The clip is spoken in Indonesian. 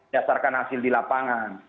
dasarkan hasil di lapangan